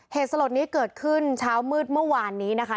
สลดนี้เกิดขึ้นเช้ามืดเมื่อวานนี้นะคะ